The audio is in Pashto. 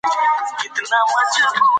احوال ورکول د دوستۍ یوه نښه ده.